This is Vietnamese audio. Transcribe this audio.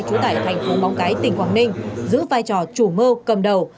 chú tải thành phố móng cái tỉnh quảng ninh giữ vai trò chủ mơ cầm đầu